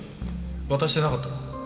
渡してなかったろう？